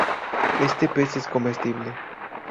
Este pez es comestible.